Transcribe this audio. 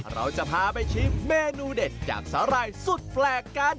เราจะพาไปชิมเมนูเด็ดจากสาหร่ายสุดแปลกกัน